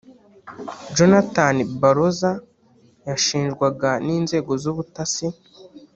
Jonathan Baroza yashinjwaga n’inzego z’ubutasi